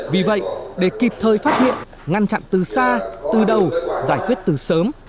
vì vậy để kịp thời phát hiện ngăn chặn từ xa từ đầu giải quyết từ sớm